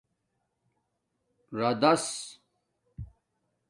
رادس